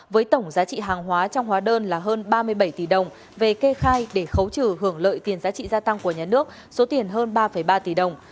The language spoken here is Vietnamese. với tổng giá trị hàng hóa trong hóa đơn là hơn ba mươi bảy tỷ đồng về kê khai để khấu trừ hưởng lợi tiền giá trị gia tăng của nhà nước số tiền hơn ba ba tỷ đồng